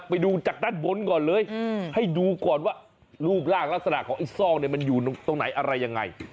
ไปดูจากด้านบนก่อนเลยให้ดูก่อนว่ารูปร่างลักษณะของไอ้ซอกเนี่ยมันอยู่ตรงไหนอะไรยังไง